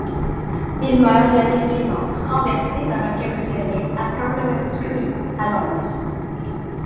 Il meurt l'année suivante, renversé par un cabriolet à Parliament Street à Londres.